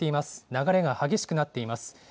流れが激しくなっています。